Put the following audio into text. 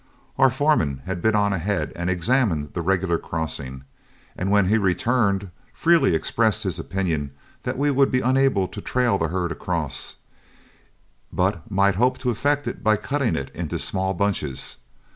Our foreman had been on ahead and examined the regular crossing, and when he returned, freely expressed his opinion that we would be unable to trail the herd across, but might hope to effect it by cutting it into small bunches.